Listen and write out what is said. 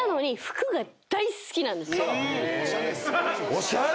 おしゃれ！